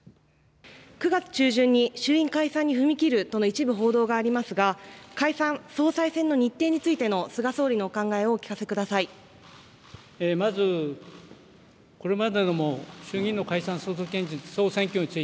９月中旬に衆院解散に踏み切ると一部報道がありますが解散総裁選の日程についての菅総理のお考えをお聞かせください。